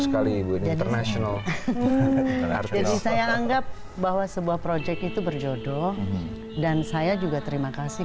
sekali ibu international saya anggap bahwa sebuah project itu berjodoh dan saya juga terima kasih